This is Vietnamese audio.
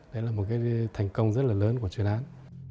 đấy là một cái thành công rất là lớn của chuyên án